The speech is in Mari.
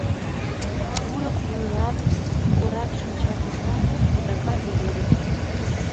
Курык вуйлам коракшинча тӱсан вудака леведын.